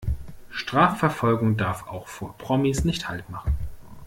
Strafverfolgung darf auch vor Promis nicht Halt machen.